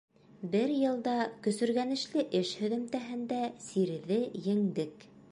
Бер йылда көсөргәнешле эш һөҙөмтәһендә сирҙе еңдек.